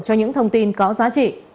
cho những thông tin có giá trị